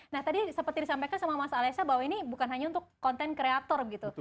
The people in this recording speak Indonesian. nah tadi seperti disampaikan sama mas alesha bahwa ini bukan hanya untuk konten kreator gitu